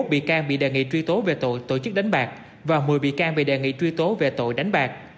một bị can bị đề nghị truy tố về tội tổ chức đánh bạc và một mươi bị can bị đề nghị truy tố về tội đánh bạc